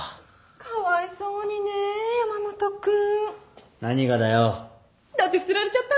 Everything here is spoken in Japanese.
かわいそうにね山本君。何がだよ。だって捨てられちゃったんでしょ？